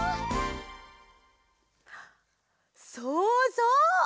そうそう！